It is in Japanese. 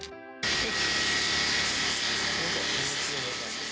はい。